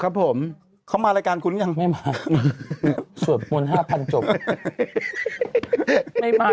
ครับผมเขามารายการคุณยังไม่มาสวบมนุษย์ห้าพันจบไม่มา